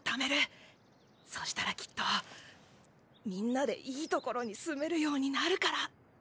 そしたらきっとみんなでいい所に住めるようになるから。